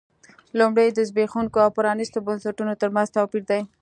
لومړی د زبېښونکو او پرانیستو بنسټونو ترمنځ توپیر دی.